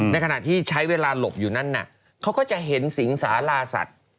ในขณะที่ใช้เวลาหลบอยู่นั้นเขาก็จะเห็นสิงสาราสัตว์